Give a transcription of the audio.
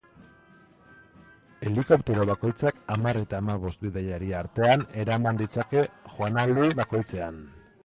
Helikoptero bakoitzak hamar eta hamabost bidaiari artean eraman ditzake joanaldi bakoitzean.